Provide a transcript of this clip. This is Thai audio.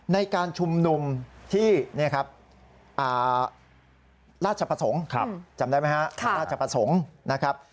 ในการชุมนุมที่ราชประสงค์จำได้ไหมครับราชประสงค์นะครับ